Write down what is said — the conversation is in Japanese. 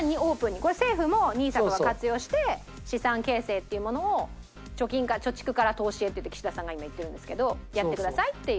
これ政府もＮＩＳＡとかを活用して資産形成っていうものを「貯蓄から投資へ」っていって岸田さんが今言ってるんですけどやってくださいっていう。